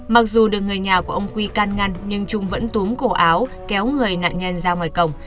mặc dù được người nhà của ông quy can ngăn nhưng trung vẫn túm cổ áo kéo người nạn nhân ra ngoài cổng